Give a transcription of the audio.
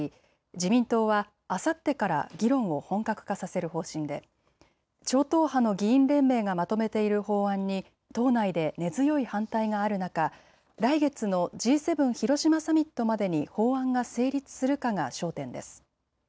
自民党はあさってから議論を本格化させる方針で超党派の議員連盟がまとめている法案に党内で根強い反対がある中、来月のＧ７広島サミットまでに法案が成立するかが焦点です。